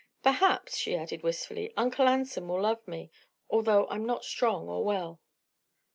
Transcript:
Perhaps," she added, wistfully, "Uncle Anson will love me although I'm not strong or well."